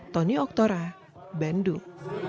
tony oktora bandung